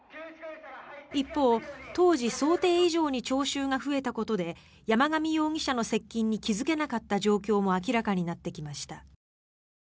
一方、当時想定以上に聴衆が増えたことで山上容疑者の接近に気付けなかった状況も明らかになってきました。